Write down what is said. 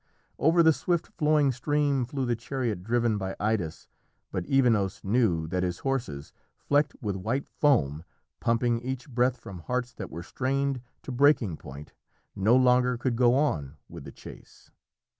Over the swift flowing stream flew the chariot driven by Idas, but Evenos knew that his horses, flecked with white foam, pumping each breath from hearts that were strained to breaking point, no longer could go on with the chase.